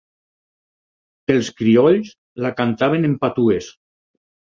Els criolls la cantaven en patuès.